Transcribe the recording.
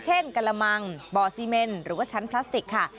กระมังบ่อซีเมนหรือว่าชั้นพลาสติกค่ะ